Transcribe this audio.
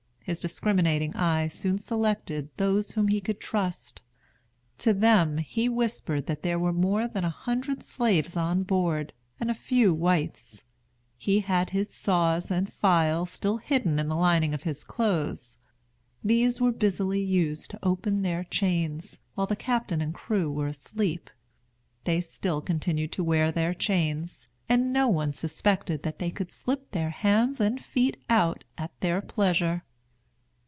His discriminating eye soon selected those whom he could trust. To them he whispered that there were more than a hundred slaves on board, and few whites. He had his saws and files still hidden in the lining of his clothes. These were busily used to open their chains, while the captain and crew were asleep. They still continued to wear their chains, and no one suspected that they could slip their hands and feet out at their pleasure.